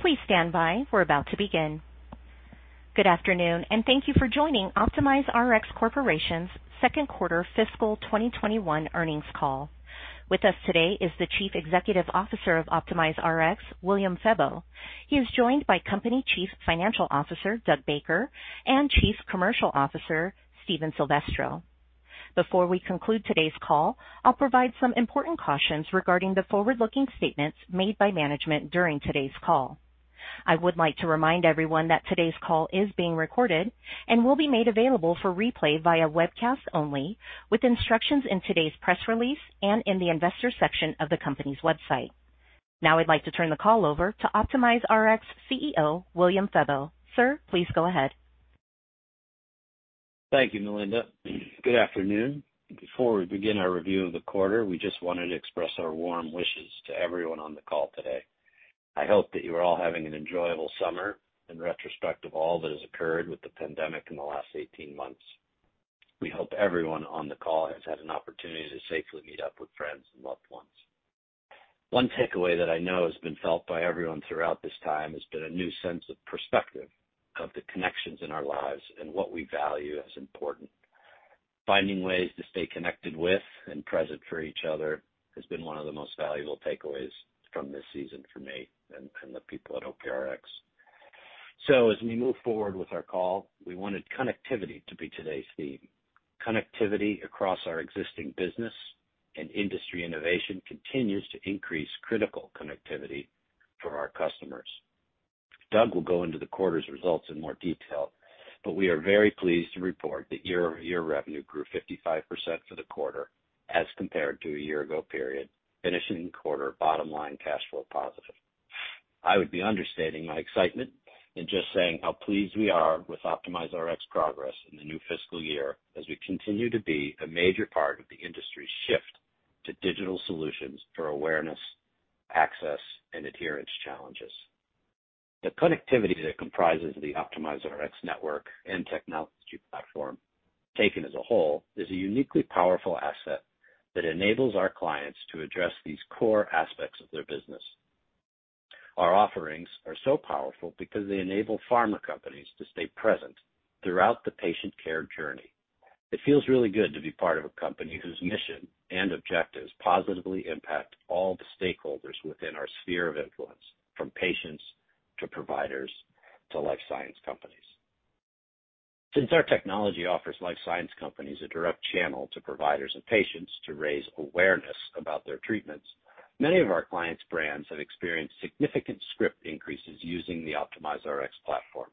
Good afternoon, and thank you for joining OptimizeRx Corporation's second quarter fiscal 2021 earnings call. With us today is the Chief Executive Officer of OptimizeRx, William Febbo. He is joined by Company Chief Financial Officer Doug Baker, and Chief Commercial Officer Steve Silvestro. Before we conclude today's call, I'll provide some important cautions regarding the forward-looking statements made by management during today's call. I would like to remind everyone that today's call is being recorded and will be made available for replay via webcast only, with instructions in today's press release and in the investors section of the company's website. Now I'd like to turn the call over to OptimizeRx CEO, William Febbo. Sir, please go ahead. Thank you, Melinda. Good afternoon. Before we begin our review of the quarter, we just wanted to express our warm wishes to everyone on the call today. I hope that you are all having an enjoyable summer in retrospect of all that has occurred with the pandemic in the last 18 months. We hope everyone on the call has had an opportunity to safely meet up with friends and loved ones. One takeaway that I know has been felt by everyone throughout this time has been a new sense of perspective of the connections in our lives and what we value as important. Finding ways to stay connected with and present for each other has been one of the most valuable takeaways from this season for me and the people at OptimizeRx. As we move forward with our call, we wanted connectivity to be today's theme. Connectivity across our existing business and industry innovation continues to increase critical connectivity for our customers. Doug will go into the quarter's results in more detail, but we are very pleased to report that year-over-year revenue grew 55% for the quarter as compared to a year ago period, finishing the quarter bottom line cash flow positive. I would be understating my excitement in just saying how pleased we are with OptimizeRx progress in the new fiscal year as we continue to be a major part of the industry's shift to digital solutions for awareness, access, and adherence challenges. The connectivity that comprises the OptimizeRx network and technology platform, taken as a whole, is a uniquely powerful asset that enables our clients to address these core aspects of their business. Our offerings are so powerful because they enable pharma companies to stay present throughout the patient care journey. It feels really good to be part of a company whose mission and objectives positively impact all the stakeholders within our sphere of influence, from patients to providers to life science companies. Since our technology offers life science companies a direct channel to providers and patients to raise awareness about their treatments, many of our clients' brands have experienced significant script increases using the OptimizeRx platform.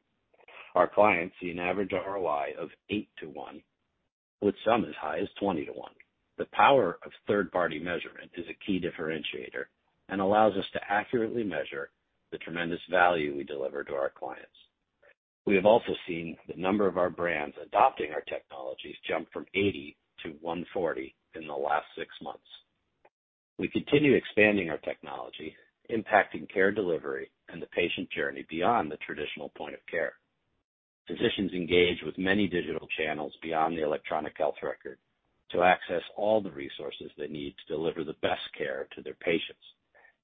Our clients see an average ROI of 8:1, with some as high as 20:1. The power of third-party measurement is a key differentiator and allows us to accurately measure the tremendous value we deliver to our clients. We have also seen the number of our brands adopting our technologies jump from 80-140 in the last six months. We continue expanding our technology, impacting care delivery and the patient journey beyond the traditional point of care. Physicians engage with many digital channels beyond the electronic health record to access all the resources they need to deliver the best care to their patients,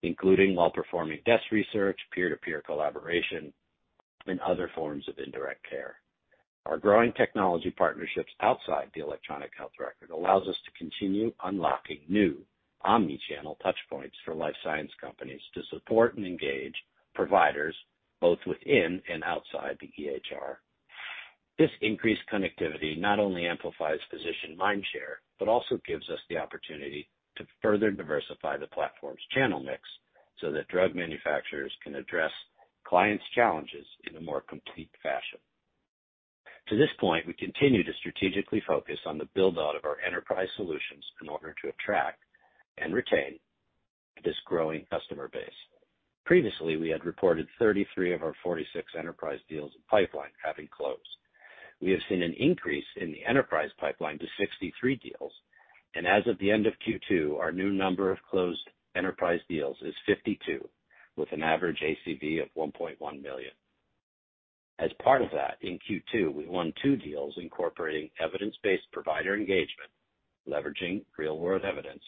including while performing desk research, peer-to-peer collaboration, and other forms of indirect care. Our growing technology partnerships outside the electronic health record allows us to continue unlocking new omni-channel touchpoints for life science companies to support and engage providers both within and outside the EHR. This increased connectivity not only amplifies physician mind share, but also gives us the opportunity to further diversify the platform's channel mix so that drug manufacturers can address clients' challenges in a more complete fashion. To this point, we continue to strategically focus on the build-out of our enterprise solutions in order to attract and retain this growing customer base. Previously, we had reported 33 of our 46 enterprise deals in pipeline having closed. We have seen an increase in the enterprise pipeline to 63 deals, and as of the end of Q2, our new number of closed enterprise deals is 52, with an average ACV of $1.1 million. As part of that, in Q2, we won two deals incorporating evidence-based provider engagement, leveraging real-world evidence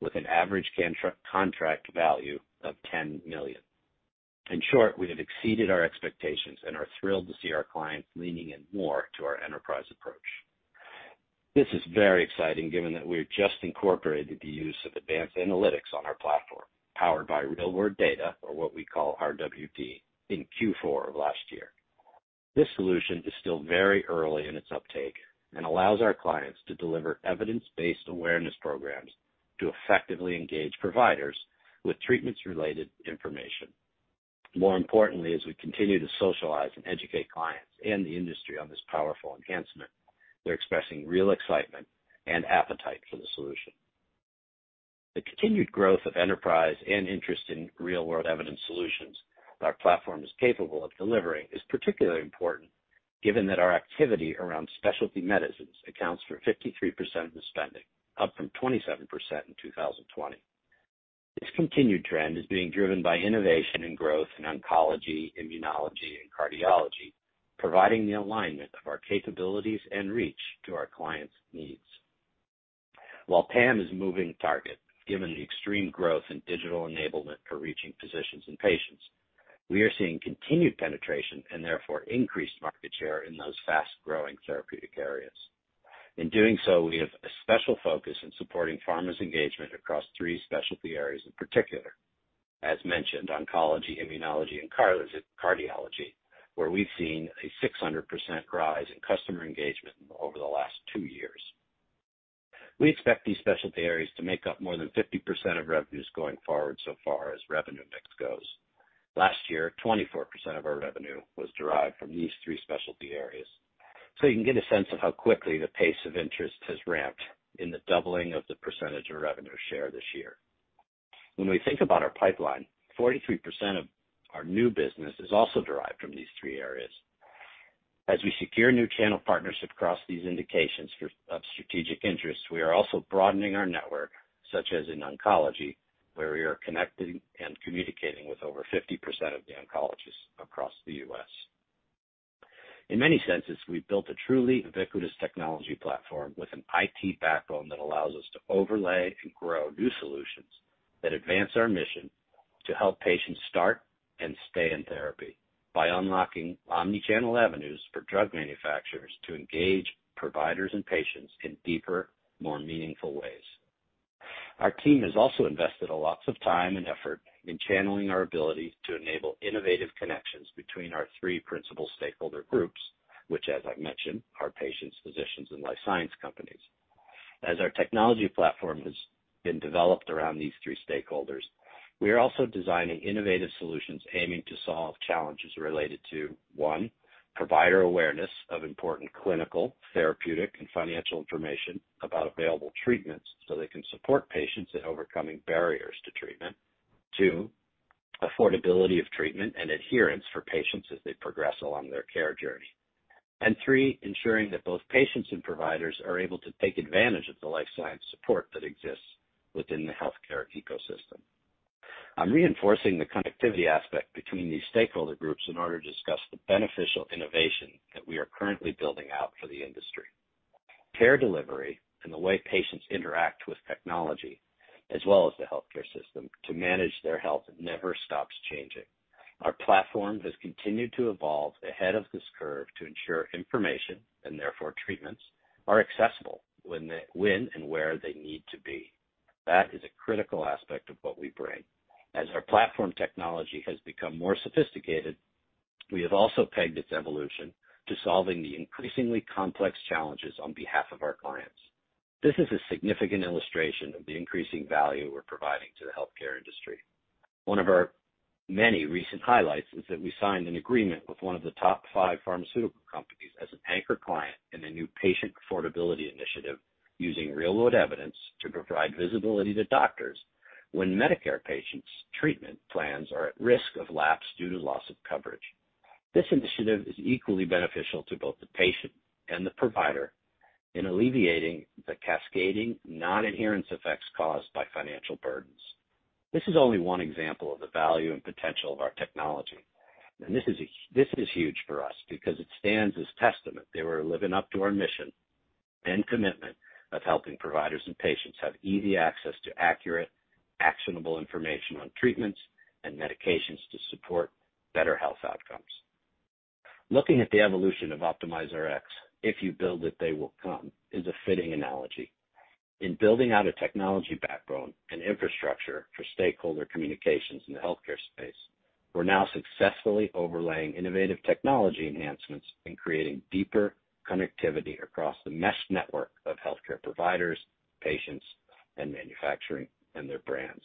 with an average contract value of $10 million. In short, we have exceeded our expectations and are thrilled to see our clients leaning in more to our enterprise approach. This is very exciting given that we have just incorporated the use of advanced analytics on our platform, powered by real world data or what we call RWD, in Q4 of last year. This solution is still very early in its uptake and allows our clients to deliver evidence-based awareness programs to effectively engage providers with treatments related information. More importantly, as we continue to socialize and educate clients and the industry on this powerful enhancement, they're expressing real excitement and appetite for the solution. The continued growth of enterprise and interest in real world evidence solutions that our platform is capable of delivering is particularly important given that our activity around specialty medicines accounts for 53% of the spending, up from 27% in 2020. This continued trend is being driven by innovation and growth in oncology, immunology, and cardiology, providing the alignment of our capabilities and reach to our clients' needs. While TAM is a moving target, given the extreme growth in digital enablement for reaching physicians and patients, we are seeing continued penetration and therefore increased market share in those fast-growing therapeutic areas. In doing so, we have a special focus in supporting pharma's engagement across three specialty areas in particular. As mentioned, oncology, immunology, and cardiology, where we've seen a 600% rise in customer engagement over the last two years. We expect these specialty areas to make up more than 50% of revenues going forward so far as revenue mix goes. Last year, 24% of our revenue was derived from these three specialty areas. You can get a sense of how quickly the pace of interest has ramped in the doubling of the percentage of revenue share this year. When we think about our pipeline, 43% of our new business is also derived from these three areas. As we secure new channel partners across these indications of strategic interest, we are also broadening our network, such as in oncology, where we are connecting and communicating with over 50% of the oncologists across the U.S. In many senses, we've built a truly ubiquitous technology platform with an IT backbone that allows us to overlay and grow new solutions that advance our mission to help patients start and stay in therapy by unlocking omni-channel avenues for drug manufacturers to engage providers and patients in deeper, more meaningful ways. Our team has also invested a lot of time and effort in channeling our ability to enable innovative connections between our three principal stakeholder groups, which as I've mentioned, are patients, physicians, and life science companies. As our technology platform has been developed around these three stakeholders, we are also designing innovative solutions aiming to solve challenges related to, one, provider awareness of important clinical, therapeutic, and financial information about available treatments so they can support patients in overcoming barriers to treatment. Two, affordability of treatment and adherence for patients as they progress along their care journey. Three, ensuring that both patients and providers are able to take advantage of the life science support that exists within the healthcare ecosystem. I'm reinforcing the connectivity aspect between these stakeholder groups in order to discuss the beneficial innovation that we are currently building out for the industry. Care delivery and the way patients interact with technology, as well as the healthcare system to manage their health never stops changing. Our platform has continued to evolve ahead of this curve to ensure information, and therefore treatments, are accessible when and where they need to be. That is a critical aspect of what we bring. As our platform technology has become more sophisticated, we have also pegged its evolution to solving the increasingly complex challenges on behalf of our clients. This is a significant illustration of the increasing value we're providing to the healthcare industry. One of our many recent highlights is that we signed an agreement with one of the top five pharmaceutical companies as an anchor client in the new Patient Affordability Initiative, using real-world evidence to provide visibility to doctors when Medicare patients' treatment plans are at risk of lapse due to loss of coverage. This initiative is equally beneficial to both the patient and the provider in alleviating the cascading non-adherence effects caused by financial burdens. This is only one example of the value and potential of our technology. This is huge for us because it stands as testament that we're living up to our mission and commitment of helping providers and patients have easy access to accurate, actionable information on treatments and medications to support better health outcomes. Looking at the evolution of OptimizeRx, if you build it, they will come, is a fitting analogy. In building out a technology backbone and infrastructure for stakeholder communications in the healthcare space, we're now successfully overlaying innovative technology enhancements and creating deeper connectivity across the mesh network of healthcare providers, patients, and manufacturing and their brands.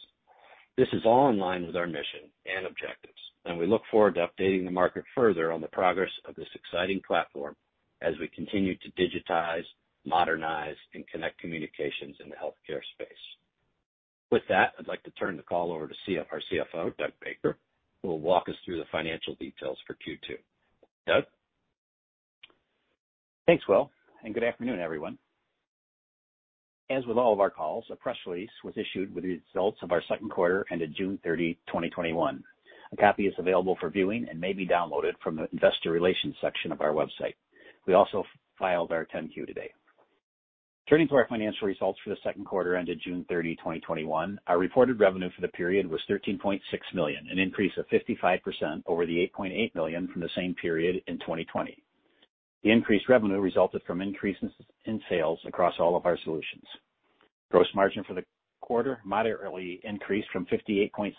This is all in line with our mission and objectives, and we look forward to updating the market further on the progress of this exciting platform as we continue to digitize, modernize, and connect communications in the healthcare space. With that, I'd like to turn the call over to our CFO, Doug Baker, who will walk us through the financial details for Q2. Doug? Thanks, Will, and good afternoon, everyone. As with all of our calls, a press release was issued with the results of our second quarter ended June 30, 2021. A copy is available for viewing and may be downloaded from the investor relations section of our website. We also filed our 10-Q today. Turning to our financial results for the second quarter ended June 30, 2021. Our reported revenue for the period was $13.6 million, an increase of 55% over the $8.8 million from the same period in 2020. The increased revenue resulted from increases in sales across all of our solutions. Gross margin for the quarter moderately increased from 58.6%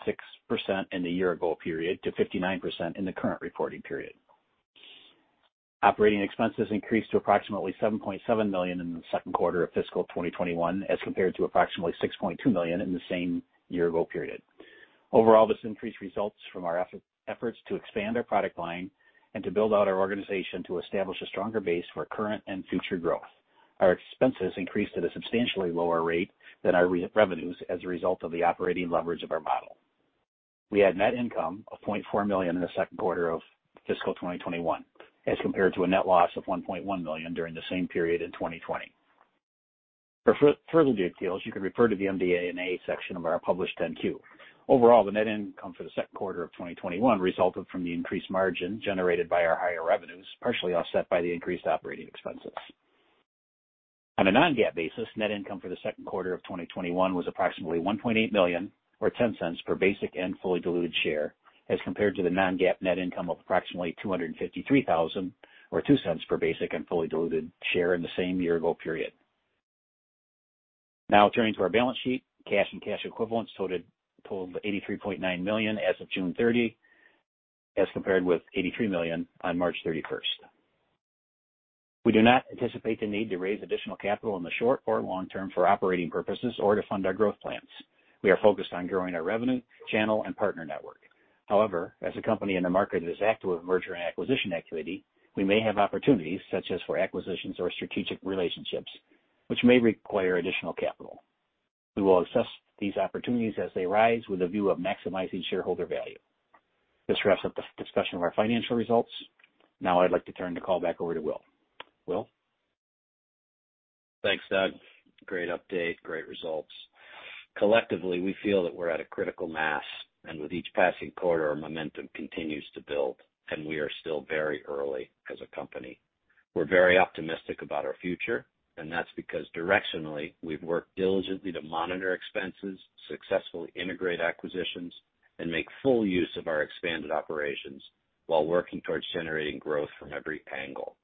in the year ago period to 59% in the current reporting period. Operating expenses increased to approximately $7.7 million in the second quarter of fiscal 2021 as compared to approximately $6.2 million in the same year ago period. Overall, this increase results from our efforts to expand our product line and to build out our organization to establish a stronger base for current and future growth. Our expenses increased at a substantially lower rate than our revenues as a result of the operating leverage of our model. We had net income of $0.4 million in the second quarter of fiscal 2021 as compared to a net loss of $1.1 million during the same period in 2020. For further details, you can refer to the MD&A section of our published 10-Q. Overall, the net income for the second quarter of 2021 resulted from the increased margin generated by our higher revenues, partially offset by the increased operating expenses. On a non-GAAP basis, net income for the second quarter of 2021 was approximately $1.8 million, or $0.10 per basic and fully diluted share, as compared to the non-GAAP net income of approximately $253,000, or $0.02 per basic and fully diluted share in the same year-ago period. Turning to our balance sheet. Cash and cash equivalents totaled $83.9 million as of June 30, as compared with $83 million on March 31st. We do not anticipate the need to raise additional capital in the short or long term for operating purposes or to fund our growth plans. We are focused on growing our revenue, channel, and partner network. However, as a company in a market that is active with merger and acquisition activity, we may have opportunities, such as for acquisitions or strategic relationships, which may require additional capital. We will assess these opportunities as they arise with a view of maximizing shareholder value. This wraps up the discussion of our financial results. Now I'd like to turn the call back over to Will. Will? Thanks, Doug. Great update. Great results. Collectively, we feel that we're at a critical mass, and with each passing quarter, our momentum continues to build, and we are still very early as a company. We're very optimistic about our future. That's because directionally, we've worked diligently to monitor expenses, successfully integrate acquisitions, and make full use of our expanded operations while working towards generating growth from every angle.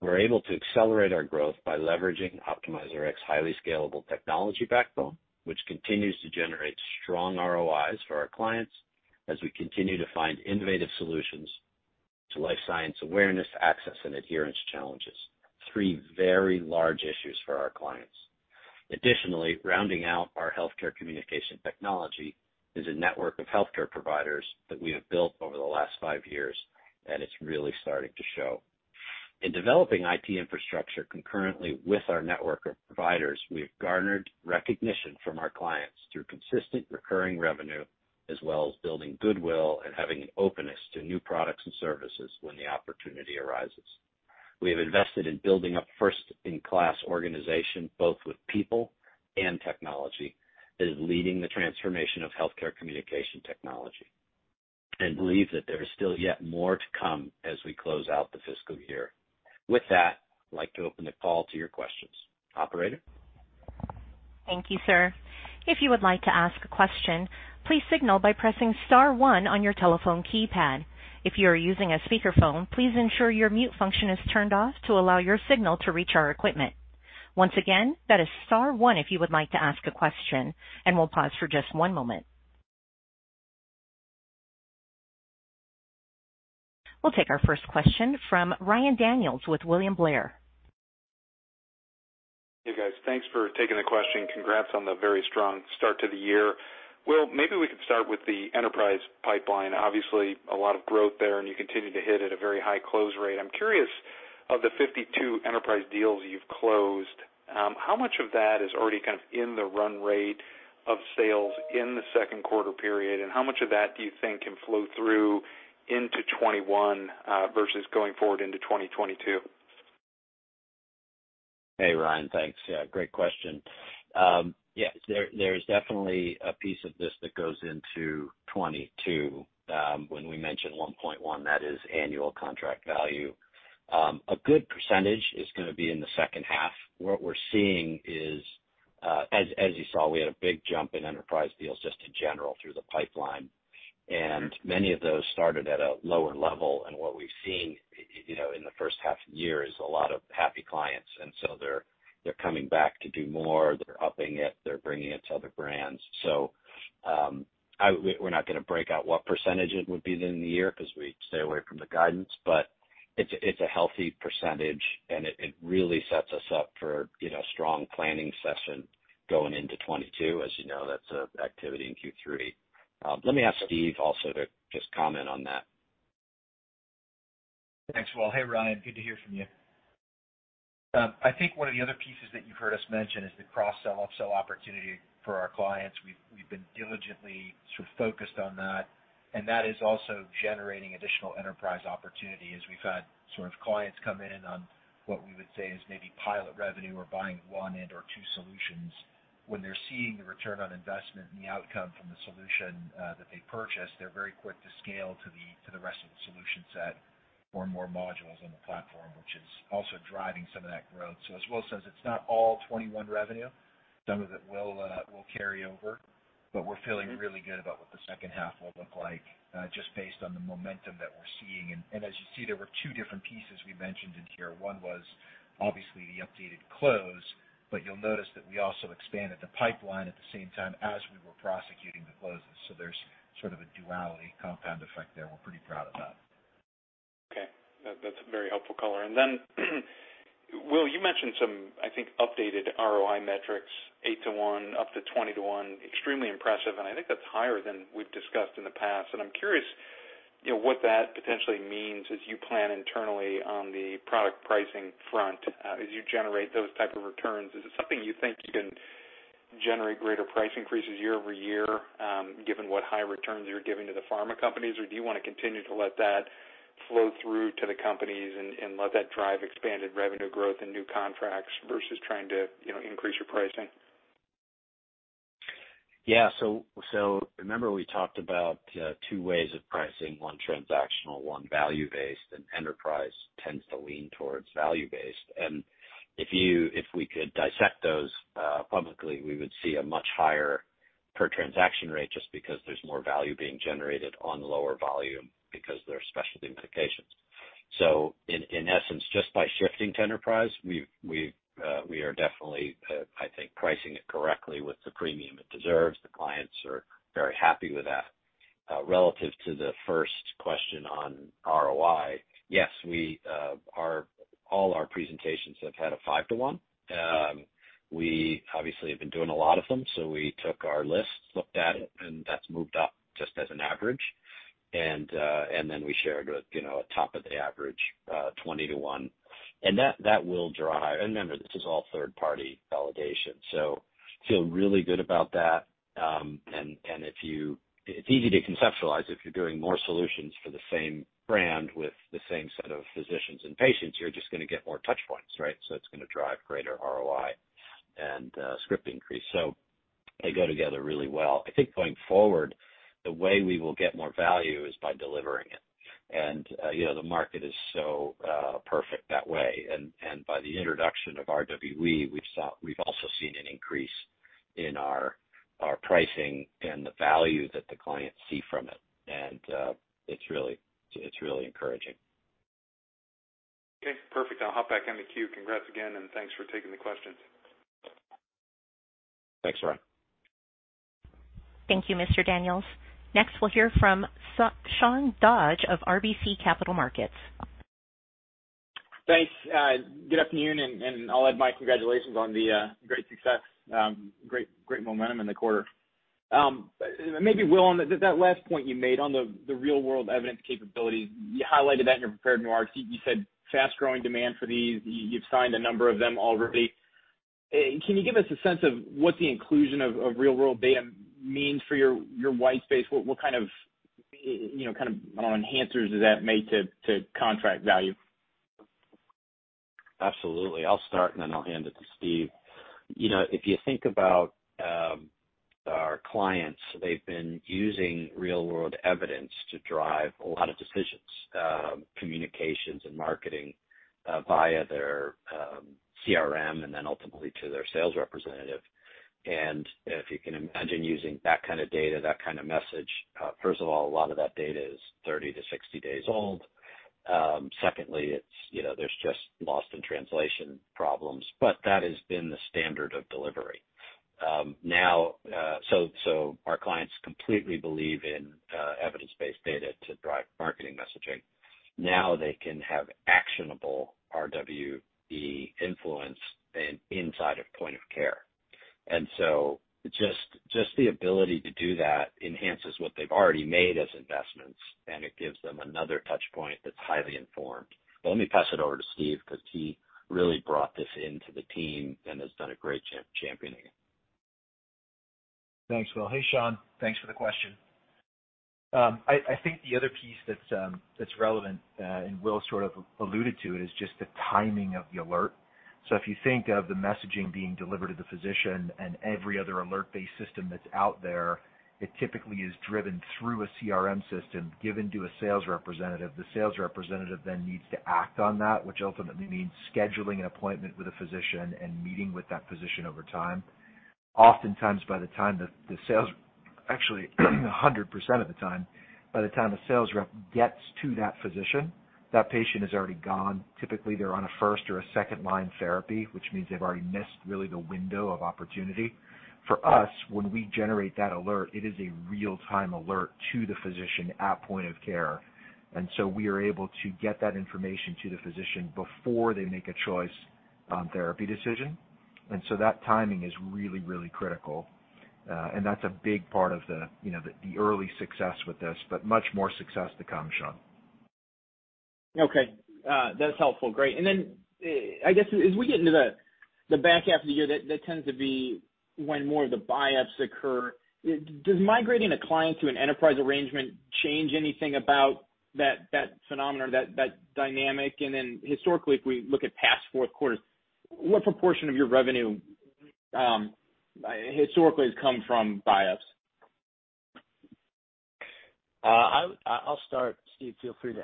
We're able to accelerate our growth by leveraging OptimizeRx's highly scalable technology backbone, which continues to generate strong ROIs for our clients as we continue to find innovative solutions to life science awareness, access, and adherence challenges. Three very large issues for our clients. Additionally, rounding out our healthcare communication technology is a network of healthcare providers that we have built over the last five years, and it's really starting to show. In developing IT infrastructure concurrently with our network of providers, we have garnered recognition from our clients through consistent recurring revenue as well as building goodwill and having an openness to new products and services when the opportunity arises. We have invested in building a first-in-class organization, both with people and technology, that is leading the transformation of healthcare communication technology. Believe that there is still yet more to come as we close out the fiscal year. With that, I'd like to open the call to your questions. Operator? Thank you, sir. If you would like to ask a question, please signal by pressing star one on your telephone keypad. If you are using a speakerphone, please ensure your mute function is turned off to allow your signal to reach our equipment. Once again, that is star one if you would like to ask a question, and we'll pause for just one moment. We'll take our first question from Ryan Daniels with William Blair. Hey, guys. Thanks for taking the question. Congrats on the very strong start to the year. Will, maybe we could start with the enterprise pipeline. Obviously, a lot of growth there, and you continue to hit at a very high close rate. I'm curious, of the 52 enterprise deals you've closed, how much of that is already kind of in the run rate of sales in the second quarter period, and how much of that do you think can flow through into 2021 versus going forward into 2022? Hey, Ryan. Thanks. Great question. There is definitely a piece of this that goes into 2022. When we mention $1.1 million, that is annual contract value. A good percentage is going to be in the second half. What we're seeing is, as you saw, we had a big jump in enterprise deals just in general through the pipeline. Many of those started at a lower level, and what we've seen in the first half of the year is a lot of happy clients. They're coming back to do more. They're upping it. They're bringing it to other brands. We're not going to break out what percentage it would be in the year because we stay away from the guidance, but it's a healthy percentage, and it really sets us up for a strong planning session going into 2022. As you know, that's an activity in Q3. Let me ask Steve also to just comment on that. Thanks, Will. Hey, Ryan. Good to hear from you. I think one of the other pieces that you've heard us mention is the cross-sell/upsell opportunity for our clients. We've been diligently sort of focused on that, and that is also generating additional enterprise opportunity as we've had sort of clients come in on what we would say is maybe pilot revenue or buying one and/or two solutions. When they're seeing the return on investment and the outcome from the solution that they purchased, they're very quick to scale to the rest of the solution set or more modules on the platform, which is also driving some of that growth. As Will says, it's not all 2021 revenue. Some of it will carry over, but we're feeling really good about what the second half will look like just based on the momentum that we're seeing. As you see, there were two different pieces we mentioned in here. One was obviously the updated close, you'll notice that we also expanded the pipeline at the same time as we were prosecuting the closes. There's sort of a duality compound effect there. We're pretty proud of that. Okay. That's a very helpful color. Will, you mentioned some, I think, updated ROI metrics, 8:1, up to 20:1, extremely impressive, and I think that's higher than we've discussed in the past. I'm curious what that potentially means as you plan internally on the product pricing front as you generate those type of returns. Is it something you think you can generate greater price increases year-over-year given what high returns you're giving to the pharma companies? Do you want to continue to let that flow through to the companies and let that drive expanded revenue growth and new contracts versus trying to increase your pricing? Remember we talked about two ways of pricing, one transactional, one value-based, and enterprise tends to lean towards value-based. If we could dissect those publicly, we would see a much higher per transaction rate just because there is more value being generated on lower volume because they are specialty indications. In essence, just by shifting to enterprise, we are definitely, I think, pricing it correctly with the premium it deserves. The clients are very happy with that. Relative to the first question on ROI, yes, all our presentations have had a 5:1. We obviously have been doing a lot of them, so we took our list, looked at it, and that is moved up just as an average. We shared a top of the average, 20:1. Remember, this is all third-party validation, so feel really good about that. It's easy to conceptualize if you're doing more solutions for the same brand with the same set of physicians and patients, you're just going to get more touch points, right? It's going to drive greater ROI and script increase. They go together really well. I think going forward, the way we will get more value is by delivering it. The market is so perfect that way. By the introduction of RWE, we've also seen an increase in our pricing and the value that the clients see from it. It's really encouraging. Okay, perfect. I'll hop back in the queue. Congrats again, and thanks for taking the questions. Thanks, Ryan. Thank you, Mr. Daniels. Next, we'll hear from Sean Dodge of RBC Capital Markets. Thanks. Good afternoon, and I'll add my congratulations on the great success, great momentum in the quarter. Maybe, Will, on that last point you made on the Real World Evidence capabilities, you highlighted that in your prepared remarks. You said fast-growing demand for these. You've signed a number of them already. Can you give us a sense of what the inclusion of Real World Data means for your white space? What kind of enhancers does that make to contract value? Absolutely. I'll start, then I'll hand it to Steve. If you think about our clients, they've been using Real World Evidence to drive a lot of decisions, communications, and marketing via their CRM and then ultimately to their sales representative. If you can imagine using that kind of data, that kind of message, first of all, a lot of that data is 30-60 days old. Secondly, there's just lost in translation problems. That has been the standard of delivery. Our clients completely believe in evidence-based data to drive marketing messaging. Now they can have actionable RWE influence inside of point of care. Just the ability to do that enhances what they've already made as investments, and it gives them another touch point that's highly informed. Let me pass it over to Steve because he really brought this into the team and has done a great job championing it. Thanks, Will. Hey, Sean. Thanks for the question. I think the other piece that's relevant, Will sort of alluded to it, is just the timing of the alert. If you think of the messaging being delivered to the physician and every other alert-based system that's out there, it typically is driven through a CRM system given to a sales representative. The sales representative then needs to act on that, which ultimately means scheduling an appointment with a physician and meeting with that physician over time. Oftentimes, actually 100% of the time, by the time the sales rep gets to that physician, that patient is already gone. Typically, they're on a first or a second-line therapy, which means they've already missed really the window of opportunity. For us, when we generate that alert, it is a real-time alert to the physician at point of care. We are able to get that information to the physician before they make a choice on therapy decision. That timing is really, really critical. That's a big part of the early success with this, but much more success to come, Sean. Okay. That's helpful. Great. I guess as we get into the back half of the year, that tends to be when more of the buyups occur. Does migrating a client to an enterprise arrangement change anything about that phenomenon or that dynamic? Historically, if we look at past fourth quarters, what proportion of your revenue historically has come from buyups? I'll start. Steve, feel free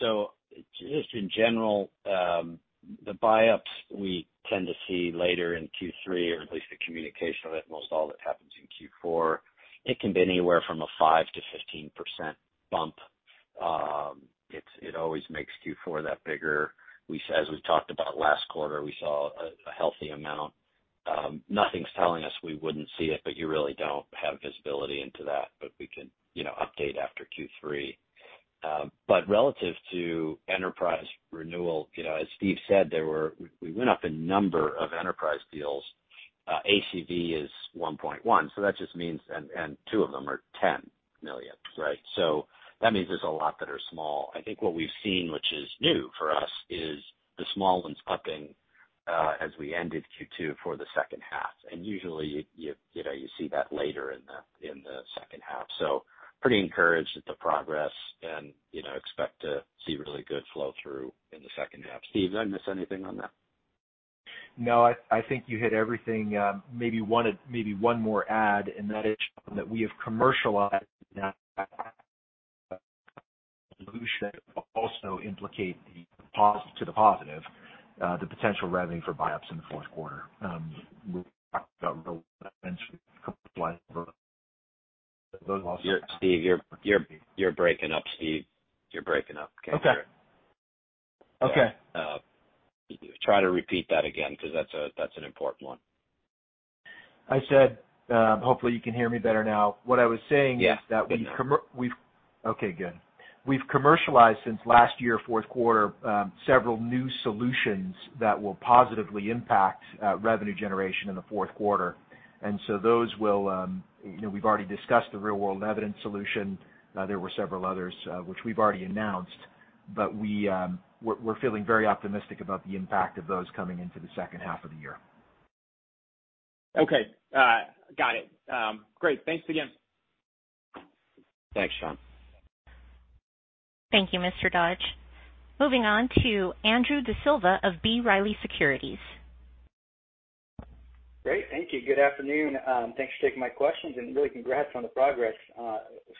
to add. Just in general, the buyups we tend to see later in Q3, or at least the communication of it, most all that happens in Q4. It can be anywhere from a 5%-15% bump. It always makes Q4 that bigger. As we talked about last quarter, we saw a healthy amount. Nothing's telling us we wouldn't see it, but you really don't have visibility into that. We can update after Q3. Relative to enterprise renewal, as Steve said, we went up a number of enterprise deals. ACV is $1.1 million so that just means, and two of them are $10 million, right? That means there's a lot that are small. I think what we've seen, which is new for us, is the small ones upping as we ended Q2 for the second half. Usually, you see that later in the second half. Pretty encouraged at the progress and expect to see really good flow-through in the second half. Steve, did I miss anything on that? No, I think you hit everything. Maybe one more add, and that is that we have commercialized that should also implicate to the positive, the potential revenue for buy-ups in the fourth quarter. We've talked about real-world evidence. Steve, you're breaking up, Steve. You're breaking up. Can't hear. Okay. Try to repeat that again, because that's an important one. I said, hopefully you can hear me better now. Yeah. We can. Okay, good. We've commercialized since last year, fourth quarter, several new solutions that will positively impact revenue generation in the fourth quarter. Those will, we've already discussed the real-world evidence solution. There were several others, which we've already announced, but we're feeling very optimistic about the impact of those coming into the second half of the year. Okay. Got it. Great. Thanks again. Thanks, Sean. Thank you, Mr. Dodge. Moving on to Andrew D'Silva of B. Riley Securities. Great, thank you. Good afternoon. Thanks for taking my questions and really congrats on the progress.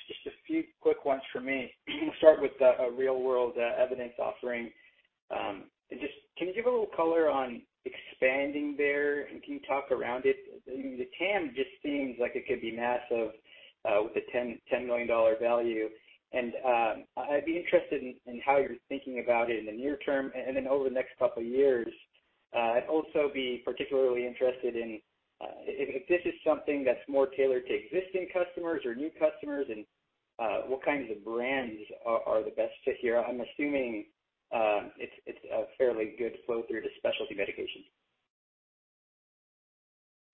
Just a few quick ones for me. Start with a real-world evidence offering. Just can you give a little color on expanding there and can you talk around it? The TAM just seems like it could be massive, with a $10 million value. I'd be interested in how you're thinking about it in the near term and then over the next couple of years. I'd also be particularly interested in if this is something that's more tailored to existing customers or new customers and what kinds of brands are the best fit here. I'm assuming it's a fairly good flow through to specialty medications.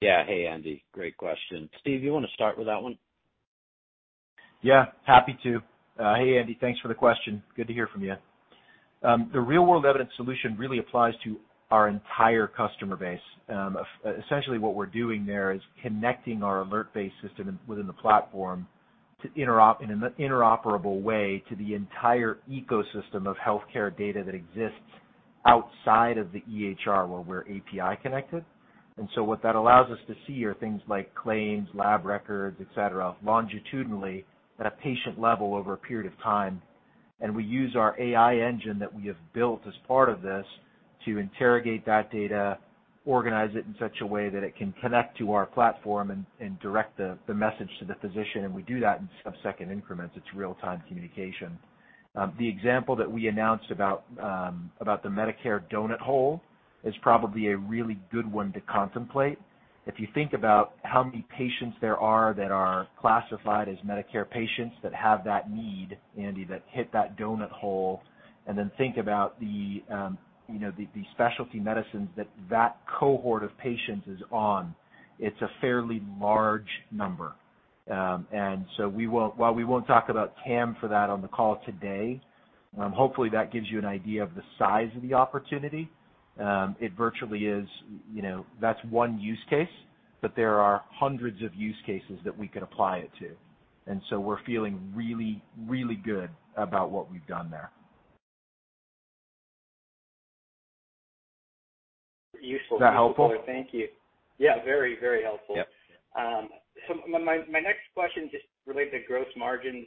Yeah. Hey, Andy. Great question. Steve, you want to start with that one? Yeah, happy to. Hey, Andy. Thanks for the question. Good to hear from you. The real-world evidence solution really applies to our entire customer base. Essentially what we're doing there is connecting our alert-based system within the platform in an interoperable way to the entire ecosystem of healthcare data that exists outside of the EHR, where we're API connected. What that allows us to see are things like claims, lab records, et cetera, longitudinally at a patient level over a period of time. We use our AI engine that we have built as part of this to interrogate that data, organize it in such a way that it can connect to our platform and direct the message to the physician. We do that in subsecond increments. It's real-time communication. The example that we announced about the Medicare donut hole is probably a really good one to contemplate. If you think about how many patients there are that are classified as Medicare patients that have that need, Andy, that hit that donut hole, then think about the specialty medicines that that cohort of patients is on, it's a fairly large number. While we won't talk about TAM for that on the call today, hopefully that gives you an idea of the size of the opportunity. It virtually is, that's one use case, but there are hundreds of use cases that we could apply it to. We're feeling really, really good about what we've done there. Useful. Is that helpful? Thank you. Yeah, very, very helpful. Yep. My next question just related to gross margins.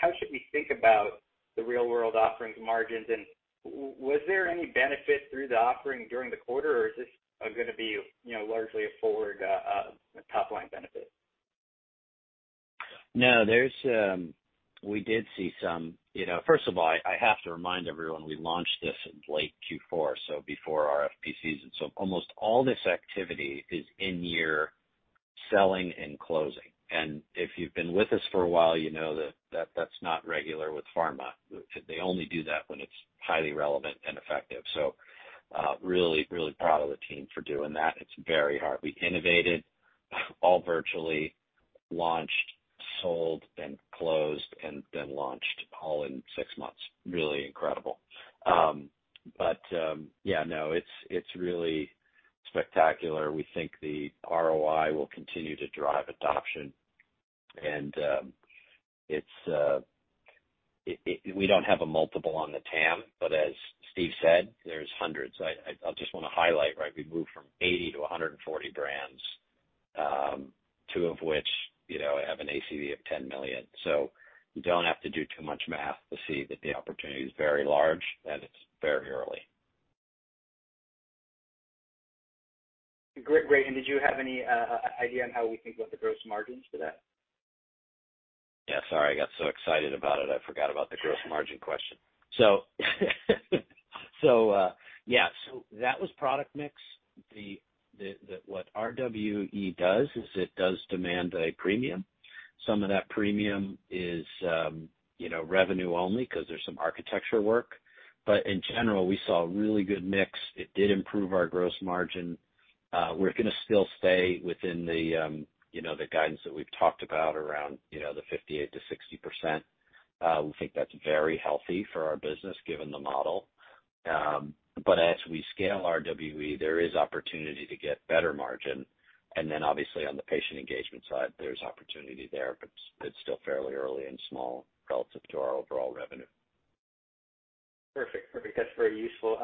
How should we think about the real-world offerings margins, and was there any benefit through the offering during the quarter, or is this going to be largely a forward top-line benefit? First of all, I have to remind everyone, we launched this in late Q4, so before our RFP season. Almost all this activity is in-year selling and closing. If you've been with us for a while, you know that that's not regular with pharma. They only do that when it's highly relevant and effective. Really proud of the team for doing that. It's very hard. We innovated all virtually, launched, sold, and closed, and then launched all in six months. Really incredible. Yeah. It's really spectacular. We think the ROI will continue to drive adoption. We don't have a multiple on the TAM, but as Steve said, there's hundreds. I just want to highlight, right, we moved from 80-140 brands, two of which have an ACV of $10 million. You don't have to do too much math to see that the opportunity is very large and it's very early. Great, did you have any idea on how we think about the gross margins for that? Yeah, sorry. I got so excited about it, I forgot about the gross margin question. Yeah. That was product mix. What RWE does is it does demand a premium. Some of that premium is revenue only because there's some architecture work. In general, we saw a really good mix. It did improve our gross margin. We're going to still stay within the guidance that we've talked about around the 58%-60%. We think that's very healthy for our business given the model. As we scale RWE, there is opportunity to get better margin, and then obviously on the patient engagement side, there's opportunity there, but it's still fairly early and small relative to our overall revenue. Perfect. That's very useful.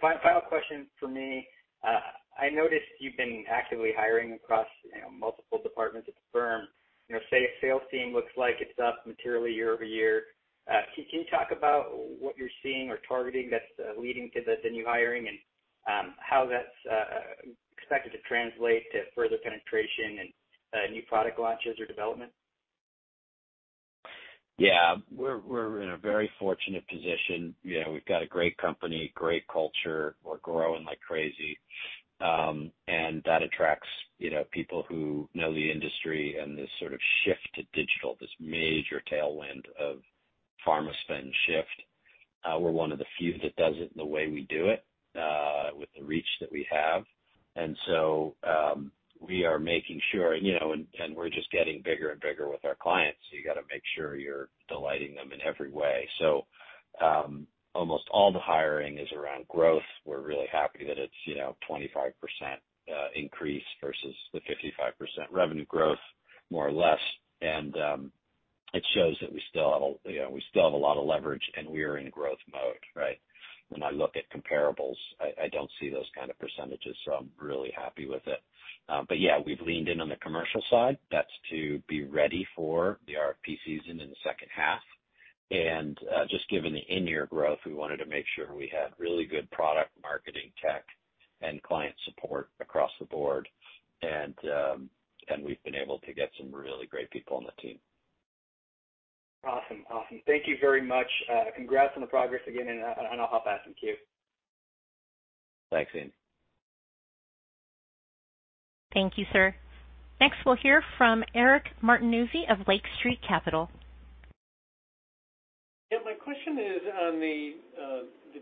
Final question from me. I noticed you've been actively hiring across multiple departments at the firm. Your sales team looks like it's up materially year-over-year. Can you talk about what you're seeing or targeting that's leading to the new hiring and how that's expected to translate to further penetration and new product launches or development? Yeah. We're in a very fortunate position. We've got a great company, great culture. We're growing like crazy. That attracts people who know the industry and this sort of shift to digital, this major tailwind of pharma spend shift. We're one of the few that does it the way we do it, with the reach that we have. We are making sure, and we're just getting bigger and bigger with our clients, you got to make sure you're delighting them in every way. Almost all the hiring is around growth. We're really happy that it's 25% increase versus the 55% revenue growth, more or less. It shows that we still have a lot of leverage, and we are in growth mode, right? When I look at comparables, I don't see those kind of percentages, I'm really happy with it. Yeah, we've leaned in on the commercial side. That's to be ready for the RFP season in the second half. Just given the in-year growth, we wanted to make sure we had really good product marketing tech and client support across the board. We've been able to get some really great people on the team. Awesome. Thank you very much. Congrats on the progress again, and I'll hop off and queue. Thanks, Andy. Thank you, sir. Next, we'll hear from Eric Martinuzzi of Lake Street Capital. My question is on the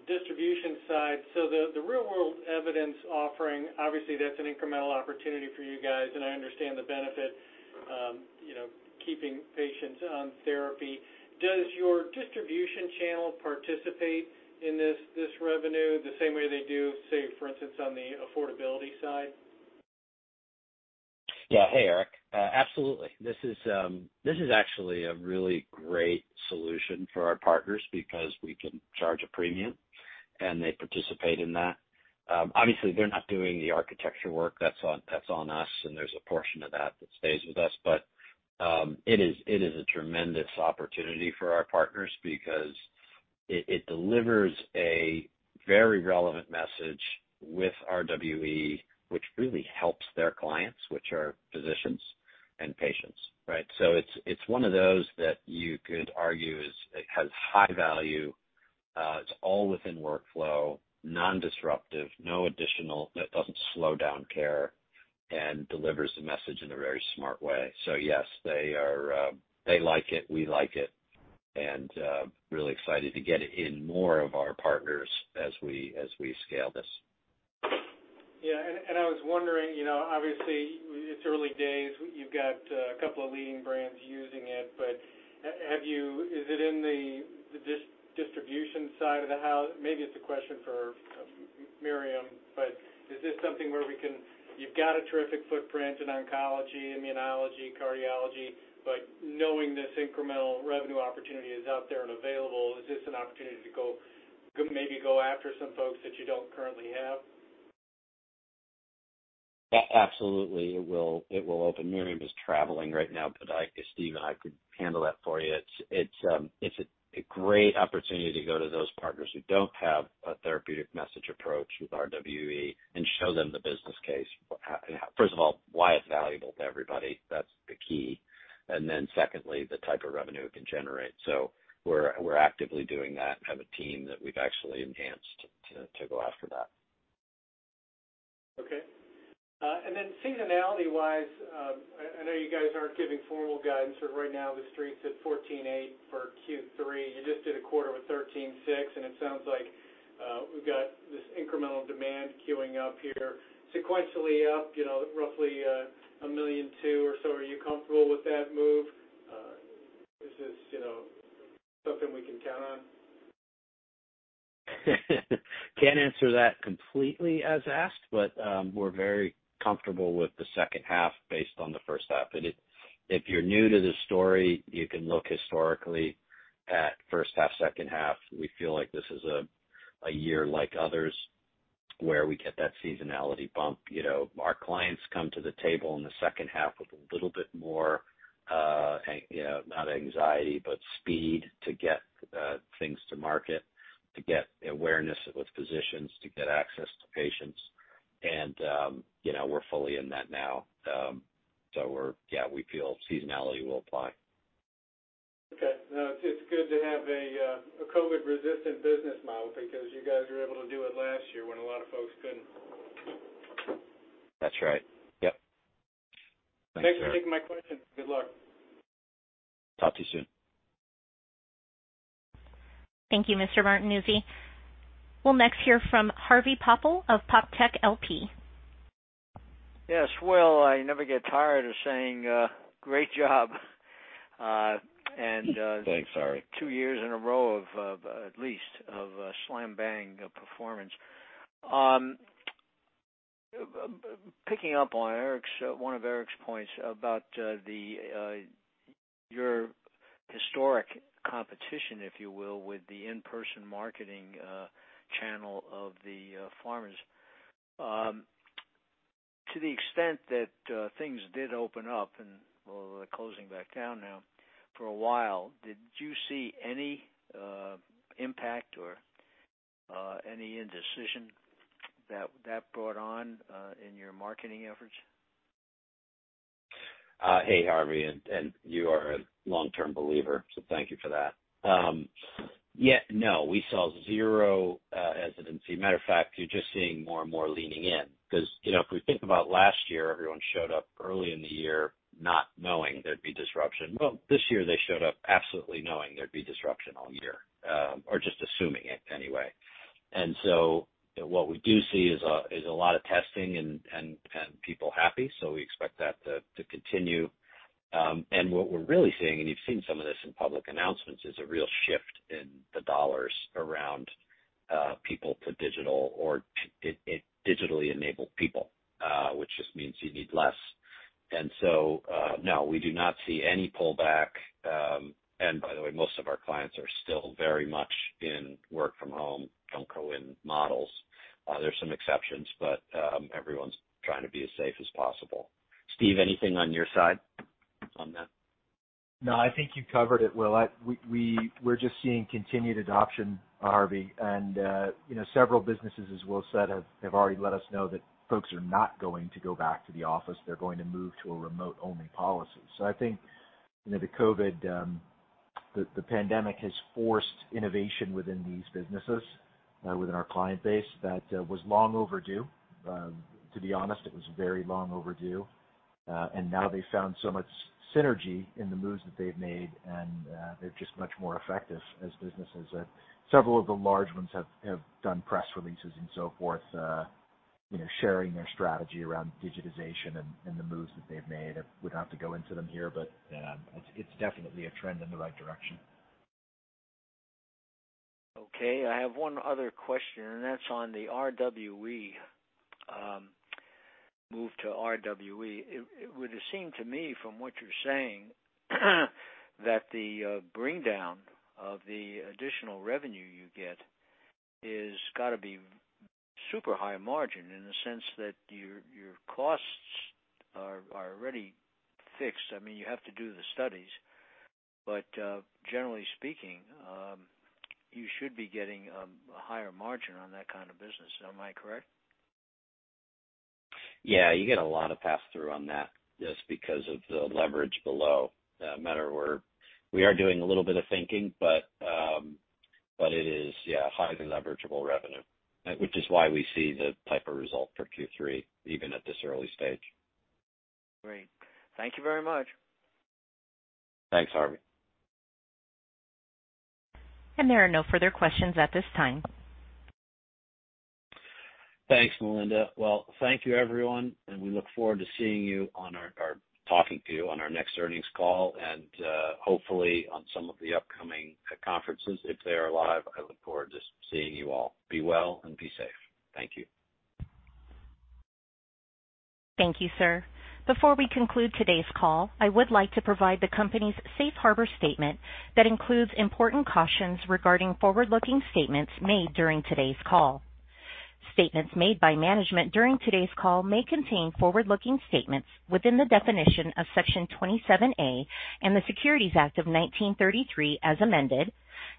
distribution side. The real-world evidence offering, obviously that's an incremental opportunity for you guys, and I understand the benefit, keeping patients on therapy. Does your distribution channel participate in this revenue the same way they do, say, for instance, on the affordability side? Hey, Eric. Absolutely. This is actually a really great solution for our partners because we can charge a premium, and they participate in that. Obviously, they're not doing the architecture work. That's on us, and there's a portion of that that stays with us. It is a tremendous opportunity for our partners because it delivers a very relevant message with RWE, which really helps their clients, which are physicians and patients, right? It's one of those that you could argue has high value. It's all within workflow, non-disruptive, it doesn't slow down care, and delivers the message in a very smart way. Yes, they like it. We like it, and really excited to get in more of our partners as we scale this. Yeah. I was wondering, obviously, it's early days. You've got a couple of leading brands using it. Is it in the distribution side of the house? Maybe it's a question for Miriam. Is this something where you've got a terrific footprint in oncology, immunology, cardiology, but knowing this incremental revenue opportunity is out there and available, is this an opportunity to maybe go after some folks that you don't currently have? Absolutely. It will open. Miriam is traveling right now, but Steve and I could handle that for you. It's a great opportunity to go to those partners who don't have a therapeutic message approach with RWE and show them the business case. First of all, why it's valuable to everybody. That's the key. Then secondly, the type of revenue it can generate. We're actively doing that and have a team that we've actually enhanced to go after that. Okay. Then seasonality wise, I know you guys aren't giving formal guidance right now. The Street's at $14.8 for Q3. You just did a quarter with $13.6 million, and it sounds like we've got this incremental demand queuing up here. Sequentially up roughly $1.2 million or so. Are you comfortable with that move? Is this something we can count on? Can't answer that completely as asked, but we're very comfortable with the second half based on the first half. If you're new to this story, you can look historically at first half, second half. We feel like this is a year like others, where we get that seasonality bump. Our clients come to the table in the second half with a little bit more, not anxiety, but speed to get things to market, to get awareness with physicians, to get access to patients. We're fully in that now. Yeah, we feel seasonality will apply. Okay. It's good to have a COVID-resistant business model because you guys were able to do it last year when a lot of folks couldn't. That's right. Yep. Thanks, Eric. Thanks for taking my question. Good luck. Talk to you soon. Thank you, Mr. Martinuzzi. We'll next hear from Harvey Poppel of Poptech LP. Yes. Well, I never get tired of saying great job. Thanks, Harvey. Two years in a row of at least of slam bang performance. Picking up on one of Eric's points about your historic competition, if you will, with the in-person marketing channel of the pharmas. To the extent that things did open up and, well, they're closing back down now, for a while, did you see any impact or any indecision that that brought on in your marketing efforts? Hey, Harvey. You are a long-term believer. Thank you for that. No, we saw zero hesitancy. Matter of fact, you're just seeing more and more leaning in because if we think about last year, everyone showed up early in the year not knowing there'd be disruption. Well, this year, they showed up absolutely knowing there'd be disruption all year, or just assuming it anyway. What we do see is a lot of testing and people happy. We expect that to continue. What we're really seeing, and you've seen some of this in public announcements, is a real shift in the dollars around people to digital or digitally enabled people, which just means you need less. No, we do not see any pullback. By the way, most of our clients are still very much in work from home, don't go in models. There's some exceptions, but everyone's trying to be as safe as possible. Steve, anything on your side on that? No, I think you covered it well. We're just seeing continued adoption, Harvey. Several businesses, as Will said, have already let us know that folks are not going to go back to the office. They're going to move to a remote-only policy. I think the COVID, the pandemic has forced innovation within these businesses, within our client base that was long overdue. To be honest, it was very long overdue. Now they found so much synergy in the moves that they've made, and they're just much more effective as businesses. Several of the large ones have done press releases and so forth sharing their strategy around digitization and the moves that they've made. We don't have to go into them here, but it's definitely a trend in the right direction. Okay, I have one other question. That's on the RWE, move to RWE. It would seem to me from what you're saying, that the bring down of the additional revenue you get has got to be super high margin in the sense that your costs are already fixed. I mean, you have to do the studies. Generally speaking, you should be getting a higher margin on that kind of business. Am I correct? Yeah, you get a lot of pass-through on that just because of the leverage below. Matter where we are doing a little bit of thinking, but it is, yeah, highly leverageable revenue. Which is why we see the type of result for Q3, even at this early stage. Great. Thank you very much. Thanks, Harvey. There are no further questions at this time. Thanks, Melinda. Well, thank you everyone, and we look forward to seeing you or talking to you on our next earnings call and hopefully on some of the upcoming conferences if they are live. I look forward to seeing you all. Be well and be safe. Thank you. Thank you, sir. Before we conclude today's call, I would like to provide the company's Safe Harbor statement that includes important cautions regarding forward-looking statements made during today's call. Statements made by management during today's call may contain forward-looking statements within the definition of Section 27A and the Securities Act of 1933 as amended,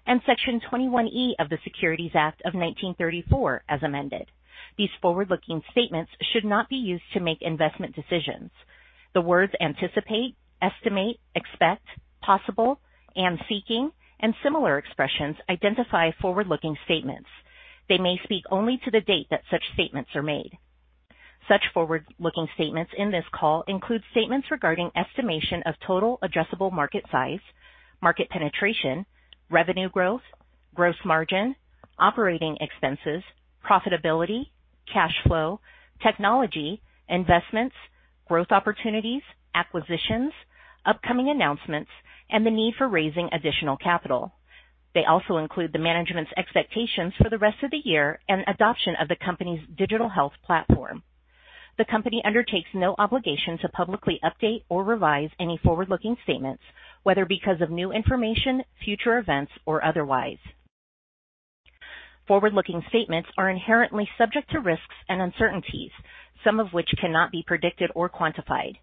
and Section 21E of the Securities Exchange Act of 1934 as amended. These forward-looking statements should not be used to make investment decisions. The words anticipate, estimate, expect, possible, and seeking, and similar expressions identify forward-looking statements. They may speak only to the date that such statements are made. Such forward-looking statements in this call include statements regarding estimation of total addressable market size, market penetration, revenue growth, gross margin, operating expenses, profitability, cash flow, technology, investments, growth opportunities, acquisitions, upcoming announcements, and the need for raising additional capital. They also include the management's expectations for the rest of the year and adoption of the company's digital health platform. The company undertakes no obligation to publicly update or revise any forward-looking statements, whether because of new information, future events, or otherwise. Forward-looking statements are inherently subject to risks and uncertainties, some of which cannot be predicted or quantified.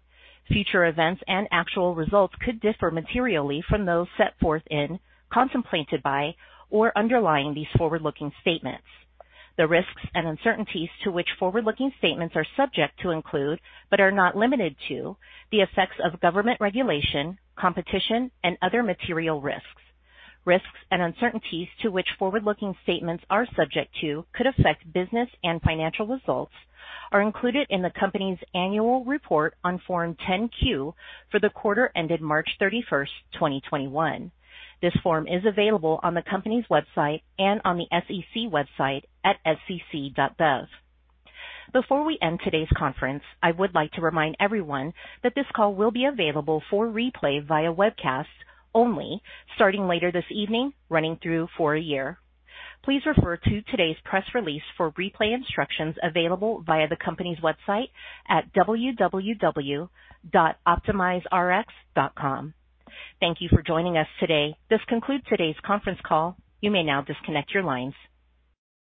Future events and actual results could differ materially from those set forth in, contemplated by, or underlying these forward-looking statements. The risks and uncertainties to which forward-looking statements are subject to include, but are not limited to, the effects of government regulation, competition, and other material risks. Risks and uncertainties to which forward-looking statements are subject to could affect business and financial results are included in the company's annual report on Form 10-Q for the quarter ended March 31st, 2021. This form is available on the company's website and on the SEC website at sec.gov. Before we end today's conference, I would like to remind everyone that this call will be available for replay via webcast only starting later this evening, running through for a year. Please refer to today's press release for replay instructions available via the company's website at www.optimizerx.com. Thank you for joining us today. This concludes today's conference call. You may now disconnect your lines.